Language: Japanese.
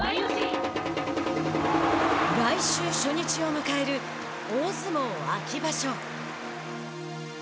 来週、初日を迎える大相撲秋場所。